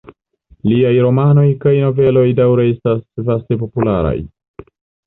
Liaj romanoj kaj noveloj daŭre estas vaste popularaj.